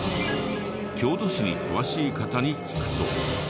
郷土史に詳しい方に聞くと。